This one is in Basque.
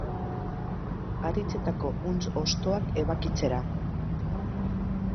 Haritzetako huntz hostoak ebakitzera.